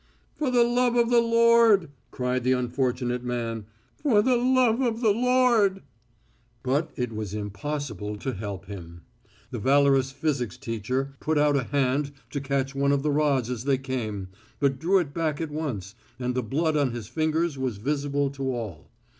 "For the love of the Lord!" cried the unfortunate man, "for the love of the Lord!" But it was impossible to help him. The valorous physics teacher put out a hand to catch one of the rods as they came, but drew it back at once, and the blood on his fingers was visible to all.